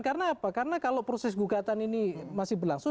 karena apa karena kalau proses gugatan ini masih berlangsung